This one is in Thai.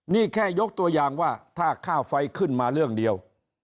นี่แค่ยกตัวอย่างว่าถ้าค่าไฟขึ้นมาเรื่องเดียว